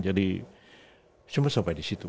jadi cuma sampai di situ